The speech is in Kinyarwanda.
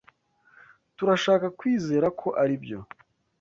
Turashaka kwizera ko aribyo.